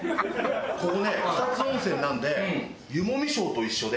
ここね草津温泉なんで湯もみショーと一緒で。